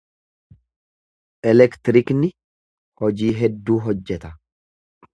Elektiriikni hojii hedduu hojjeta.